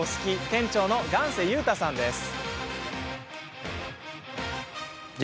店長の雁瀬雄太さんです。